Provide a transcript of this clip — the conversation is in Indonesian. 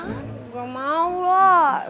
nggak mau lah